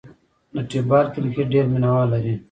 د ټیپ بال کرکټ ډېر مینه وال لري.